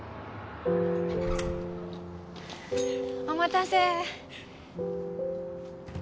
お待たせ。